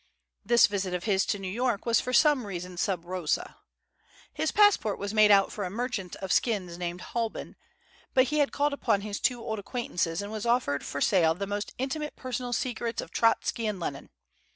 This visit of his to New York was for some reason sub rosa. His passport was made out for a merchant of skins named Halbin; but he had called upon his two old acquaintances and offered for sale the most intimate personal secrets of Trotsky and Lenin.